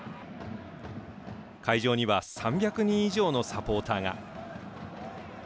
会場には３００人以上のサポーターが。